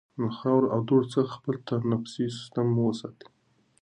د خاورو او دوړو څخه خپل تنفسي سیستم وساتئ.